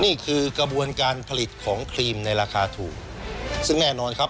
นี่คือกระบวนการผลิตของครีมในราคาถูกซึ่งแน่นอนครับ